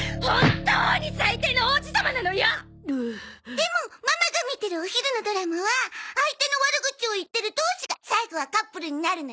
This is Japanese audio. でもママが見てるお昼のドラマは相手の悪口を言ってる同士が最後はカップルになるのよね。